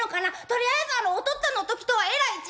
とりあえずおとっつぁんの時とはえらい違い」。